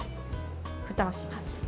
ふたをします。